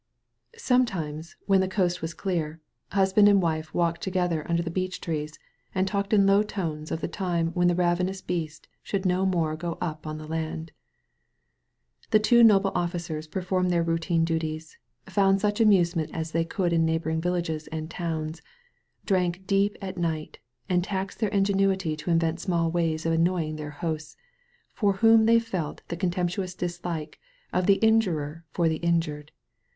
Sometimes* when the coast was clear, husband and wife walked together under the beech trees and talked in low tones of the time when the ravenous beast should no more go up on the land. The two noble officers performed their routine duties, found such amusement as they could in neighboring villages and towns, drank deep at night, and taxed their ingenuity to invent small ways of annoying their hosts, for whom they felt the con temptuous dislike of the injurer for the injured.